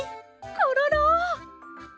コロロ！